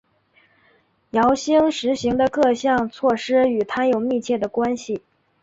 姚兴实行的各项措施与他有密切的关系。